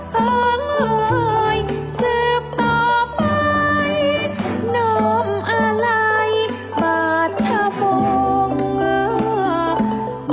ต้องสืบต่อไปนมอะไรบาทพงธ์